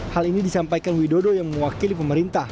hal ini disampaikan widodo yang mewakili pemerintah